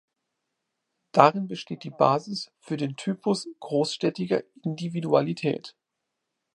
Darin besteht die Basis für den Typus großstädtischer Individualität.